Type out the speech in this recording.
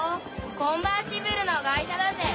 コンバーチブルの外車だぜ。